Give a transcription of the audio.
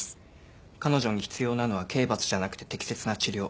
彼女に必要なのは刑罰じゃなくて適切な治療。